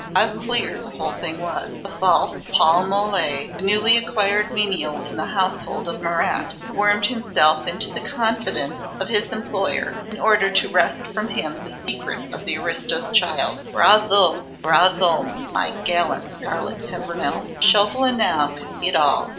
How clear the whole thing was! The false Paul Mole, the newly acquired menial in the household of Marat, had wormed himself into the confidence of his employer in order to wrest from him the secret of the aristo's child. Bravo! bravo! my gallant Scarlet Pimpernel! Chauvelin now could see it all.